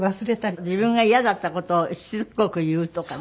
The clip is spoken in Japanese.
自分がイヤだった事をしつこく言うとかね。